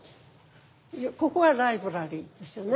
ここがライブラリーですよね。